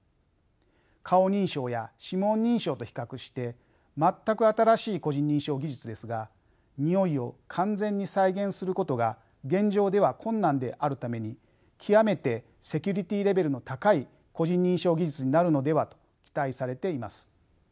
顔認証や指紋認証と比較して全く新しい個人認証技術ですがにおいを完全に再現することが現状では困難であるために極めてセキュリティーレベルの高い個人認証技術になるのではと期待されています。